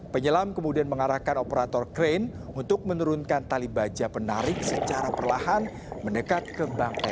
penyelam kemudian mengarahkan operator krain untuk menurunkan tali baja penarik secara perlahan mendekat ke bangkok